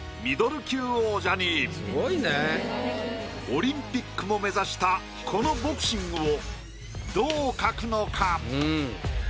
オリンピックも目指したこのボクシングをどう描くのか？